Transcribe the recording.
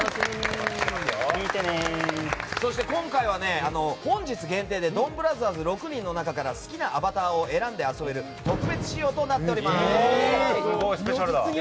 そして今回は、本日限定でドンブラザーズ６人の中から好きなアバターを選んで遊べる特別仕様となっております。